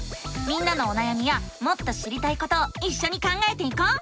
みんなのおなやみやもっと知りたいことをいっしょに考えていこう！